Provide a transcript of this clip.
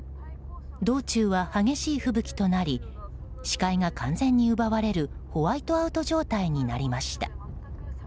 道中は激しい吹雪となり視界が完全に奪われるホワイトアウト状態になりました。